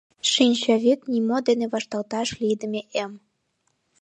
Шинчавӱд — нимо дене вашталташ лийдыме эм.